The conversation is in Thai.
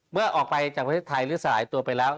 เมื่อออกไปจากประเทศไทยหรือสลายตัวไปแล้ว